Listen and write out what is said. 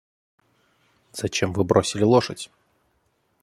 Зачем Вы бросили лошадь?